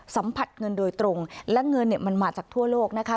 สัมผัสเงินโดยตรงและเงินเนี่ยมันมาจากทั่วโลกนะคะ